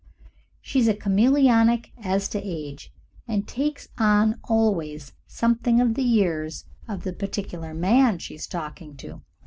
She is chameleonic as to age, and takes on always something of the years of the particular man she is talking to.